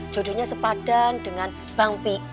jodohnya sepadan dengan bang p